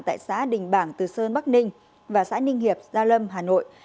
tại xã đình bảng từ sơn bắc ninh và xã ninh hiệp gia lâm hà nội